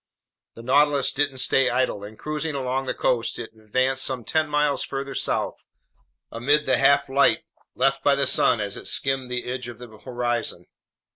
The Nautilus didn't stay idle, and cruising along the coast, it advanced some ten miles farther south amid the half light left by the sun as it skimmed the edge of the horizon.